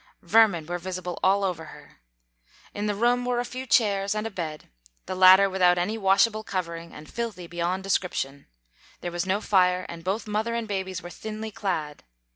Vermin were visible all over her. In the room were a few chairs and a bed, the latter without any washable covering and filthy beyond description. There was no fire, and both mother and babies were thinly clad.